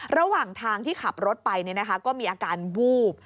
ระหว่างทางที่ขับรถไปก็มีอาการวูบ